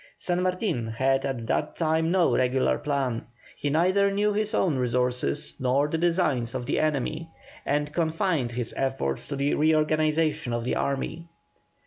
San Martin had at that time no regular plan, he neither knew his own resources nor the designs of the enemy, and confined his efforts to the reorganization of the army.